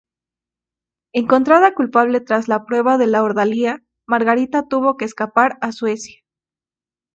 Encontrada culpable tras la prueba de la ordalía, Margarita tuvo que escapar a Suecia.